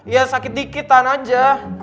ya sakit dikit tahan aja